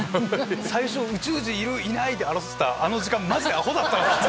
最初宇宙人いるいないで争ってた時間マジでアホ。